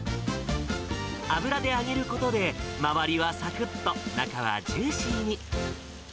油で揚げることで、周りはさくっと、中はジューシーに。